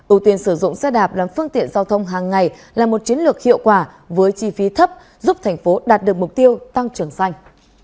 ưu tiên sử dụng xe đạp làm phương tiện giao thông hàng ngày là một chiến lược hiệu quả với chi phí thấp giúp thành phố đạt được mục tiêu tăng trưởng xanh